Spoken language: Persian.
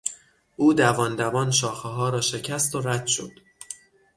او دوان دوان شاخهها را شکست و رد شد.